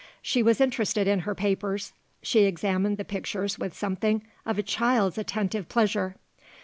She was interested in her papers. She examined the pictures with something of a child's attentive pleasure.